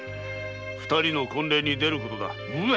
二人の婚礼に出ることだ。